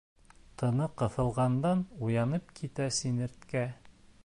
Тыны ҡыҫылғандан уянып китә сиңерткә.